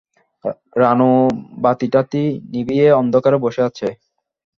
রানু বাতিটাতি নিভেয়ে অন্ধকারে বসে আছে।